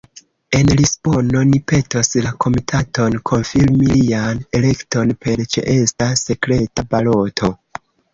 En Lisbono ni petos la Komitaton konfirmi lian elekton per ĉeesta sekreta baloto.